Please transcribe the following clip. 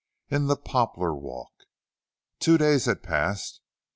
IN THE POPLAR WALK. Two days had passed.